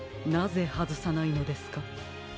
なぜはずさないのですか？